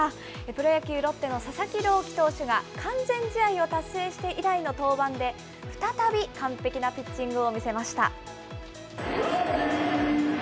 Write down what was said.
プロ野球・ロッテの佐々木朗希投手が完全試合を達成して以来の登板で、再び完璧なピッチングを見せました。